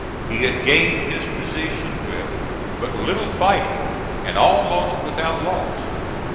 He had gained his position with but little fighting, and almost without loss.